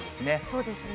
そうですね。